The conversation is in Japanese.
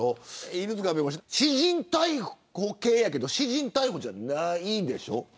犬塚弁護士、私人逮捕系やけど私人逮捕じゃないでしょ。